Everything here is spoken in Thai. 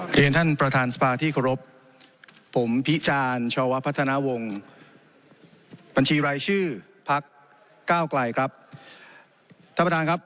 ท่านประธานสปาที่ขอบพิจารณ์ชาววัพพัฒนาวงบรรชีรายชื่อพัก๙ไกลครับ